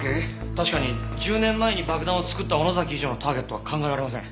確かに１０年前に爆弾を作った尾野崎以上のターゲットは考えられません。